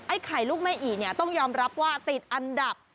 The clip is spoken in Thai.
ไข่ลูกแม่อีเนี่ยต้องยอมรับว่าติดอันดับ